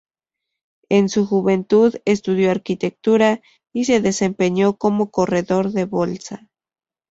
En su juventud estudió arquitectura y se desempeñó como corredor de Bolsa.